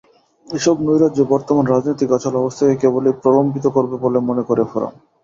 এসব নৈরাজ্য বর্তমান রাজনৈতিক অচলাবস্থাকে কেবলই প্রলম্বিত করবে বলে মনে করে ফোরাম।